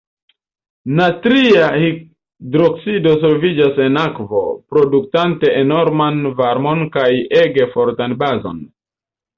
Natria hidroksido solviĝas en akvo, produktante enorman varmon kaj ege fortan bazon.